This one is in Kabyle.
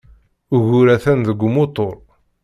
Ugur atan deg umutur.